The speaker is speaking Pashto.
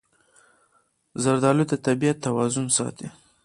زردالو د طبیعت توازن ساتي.